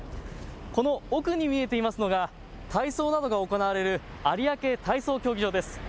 この奥に見えていますのが、体操などが行われる有明体操競技場です。